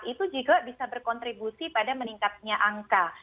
itu juga bisa berkontribusi pada meningkatnya angka